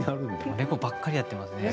レゴばっかりやってますね。